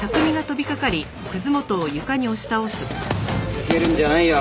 逃げるんじゃないよ